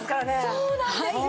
そうなんですよ。